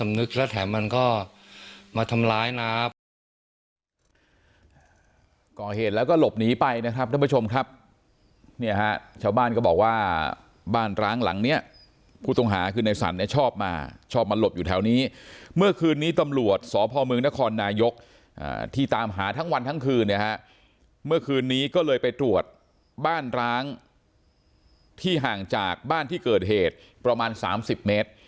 มันก็ไม่สำนึกและแถมมันก็มาทำร้ายนะครับ